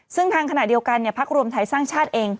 ซึ่งทางขณะเดียวกันพักรวมไทยสร้างชาติเอง